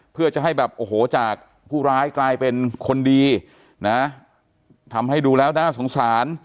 เพื่อจะให้แบบโอ้โหจากผู้ร้ายกลายเป็นคนดีนะทำให้ดูแล้วน่าสงสาร